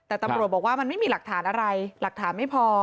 แต่ตำรวจบอกว่ามันไม่มีหลักฐานอะไรหลักฐานไม่พอ